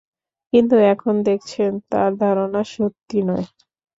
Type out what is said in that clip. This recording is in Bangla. কিন্তু এখন দেখছেন, তাঁর ধারণা সত্যি নয়।